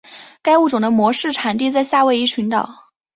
该物种的模式产地在夏威夷群岛。